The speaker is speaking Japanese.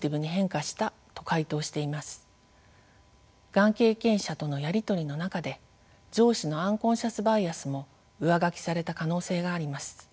がん経験者とのやり取りの中で上司のアンコンシャスバイアスも上書きされた可能性があります。